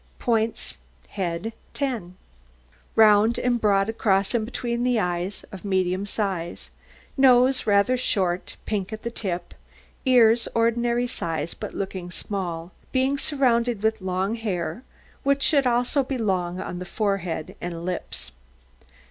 POINTS HEAD 10 Round and broad across and between the eyes, of medium size; nose rather short, pink at the tip; ears ordinary size, but looking small, being surrounded with long hair, which should also be long on the forehead and lips.